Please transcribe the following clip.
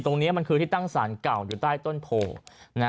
ตรงนี้มันคือที่ตั้งสารเก่าอยู่ใต้ต้นโพ